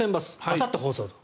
あさって放送と。